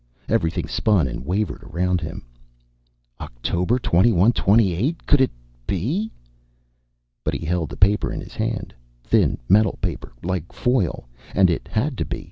Everything spun and wavered around him. October, 2128. Could it be? But he held the paper in his hand. Thin, metal paper. Like foil. And it had to be.